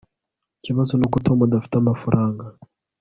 ikibazo nuko tom adafite amafaranga